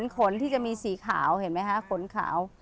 ขนที่จะมีสีขาวเห็นไหมคะขนขาว